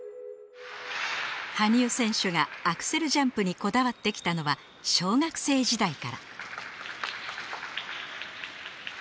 羽生選手がアクセルジャンプにこだわってきたのは小学生時代から